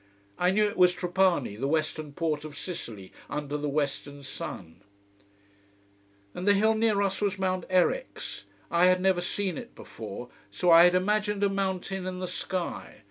I knew it was Trapani, the western port of Sicily, under the western sun. And the hill near us was Mount Eryx. I had never seen it before. So I had imagined a mountain in the sky.